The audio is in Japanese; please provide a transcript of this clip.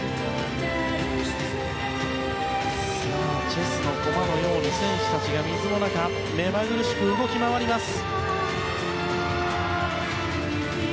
チェスの駒のように選手たちが水の中目まぐるしく動き回ります。